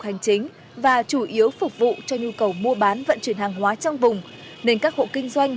hành chính và chủ yếu phục vụ cho nhu cầu mua bán vận chuyển hàng hóa trong vùng nên các hộ kinh doanh